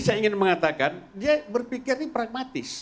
saya ingin mengatakan dia berpikir ini pragmatis